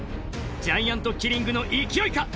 ジャイアントキリングの勢いか？